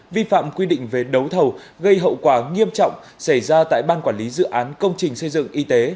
vi phạm quy định về đấu thầu gây hậu quả nghiêm trọng xảy ra tại ban quản lý dự án công trình xây dựng y tế